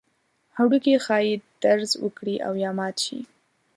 هډوکي ښایي درز وکړي او یا مات شي.